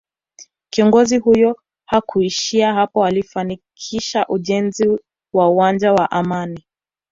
Kiongozi huyo hakuishia hapo alifanikisha ujenzi wa uwanja wa Amani